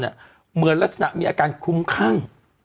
เหมือนมีอาการคุ้มขั้ง